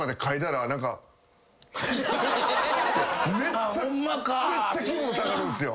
めっちゃめっちゃ気分下がるんすよ。